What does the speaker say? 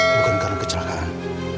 bukan karena kecelakaan